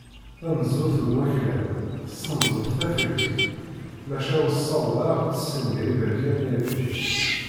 Tanezzut n waklan tessenzef Tafriqt, maca ur tessaweḍ ara ad tessenger Iberkanen irkelli.